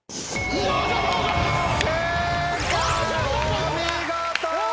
お見事！